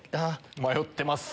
迷ってます。